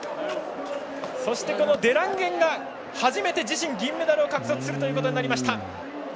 そしてデランゲンが初めて自身、銀メダルを獲得することになりました。